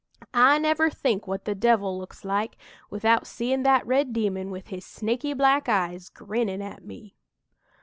I never think what the devil looks like without seein' that red demon with his snaky black eyes, grinnin' at me!